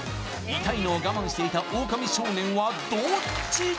痛いのを我慢していたオオカミ少年はどっちだ？